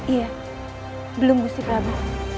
iya belum gusti prabu